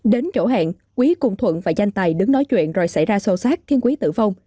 đến chỗ hẹn quý cùng thuận và danh tài đứng nói chuyện rồi xảy ra sâu sát thiên quý tử vong